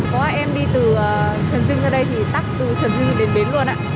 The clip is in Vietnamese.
có ai em đi từ trần trưng ra đây thì tắc từ trần trưng đến bến luôn ạ